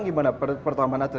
gimana pertambahan atlet